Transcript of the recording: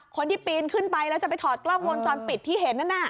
คนที่พินขึ้นไปแล้วจะไปถอดกล้องมนตร์จอนปิดที่เห็นนั่นน่ะ